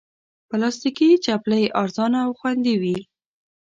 پلاستيکي چپلی ارزانه او خوندې وي.